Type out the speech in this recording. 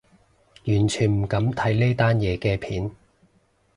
完全唔敢睇呢單嘢嘅片